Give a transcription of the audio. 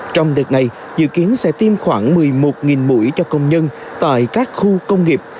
trong đợt này dự kiến sẽ tiêm khoảng một mươi một mũi cho công nhân tại các khu công nghiệp